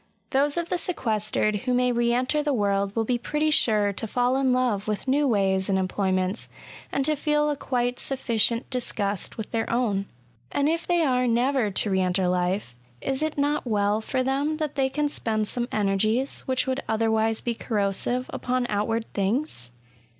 Those of the sequestered who may re enter the world will be pretty sure to fall in love with new ways and employments, and to feel a quite suffi SOME PERILS AND PAINS OF INVALIDISM. 189 cieiit disgust with their own. And if they are never to re enter life, is it not well for them that they can spend some energies, which would other wise be corrosive, upon outward things